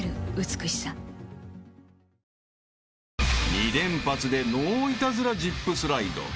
［２連発でノーイタズラジップスライド］